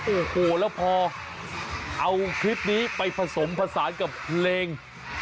โอ้โหแล้วพอเอาคลิปนี้ไปผสมผสานกับเพลง